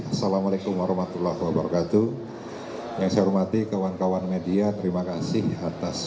assalamualaikum warahmatullahi wabarakatuh yang saya hormati kawan kawan media terima kasih atas